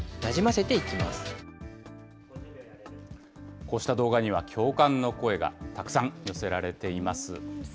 こうした動画には、共感の声がたくさん寄せられています。